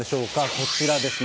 こちらですね。